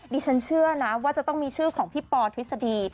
ดิฉันเชื่อนะว่าจะต้องมีชื่อของพี่ปอทฤษฎี